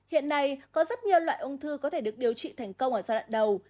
hiện nay có rất nhiều loại ung thư có thể được điều trị thành công ở giai đoạn đầu